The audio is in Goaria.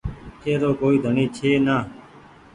اي رو ڪوئي ڍڻي ڇي نآ۔